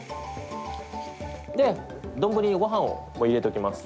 丼にごはんを入れておきます。